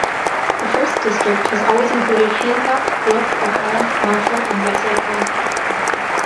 The First District has always included Hancock, Brooke, Ohio, Marshall, and Wetzel counties.